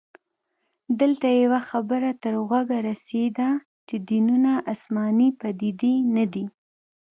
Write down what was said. دلته يوه خبره تر غوږه رسیده چې دینونه اسماني پديدې نه دي